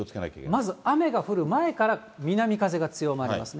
まず雨が降る前から南風が強まりますね。